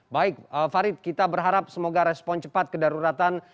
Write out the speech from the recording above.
baik farid kita berharap semoga respon cepat kedaruratan